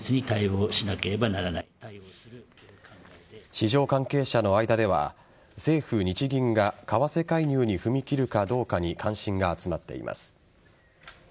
市場関係者の間では政府・日銀が為替介入に踏み切るかどうかに関心が集まっています。